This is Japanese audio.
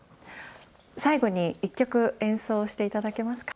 最後に１曲演奏していただけますか。